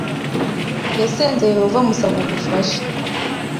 Yasenze Yehova amusaba ubufasha